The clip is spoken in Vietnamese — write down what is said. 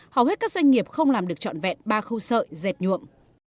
hầu hết các doanh nghiệp không làm được trọn vẹn ba khâu sợi dệt nhuộm